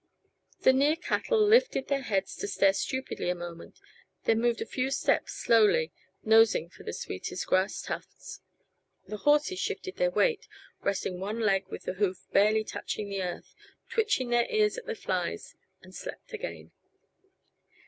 The near cattle lifted their heads to stare stupidly a moment, then moved a few steps slowly, nosing for the sweetest grass tufts. The horses shifted their weight, resting one leg with the hoof barely touching the earth, twitched their ears at the flies and slept again.